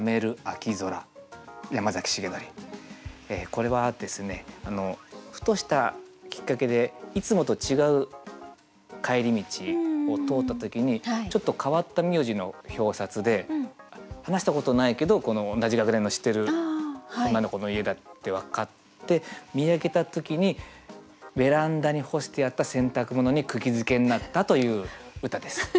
これはですねふとしたきっかけでいつもと違う帰り道を通った時にちょっと変わった名字の表札で話したことないけど同じ学年の知ってる女の子の家だって分かって見上げた時にベランダに干してあった洗濯物にくぎづけになったという歌です。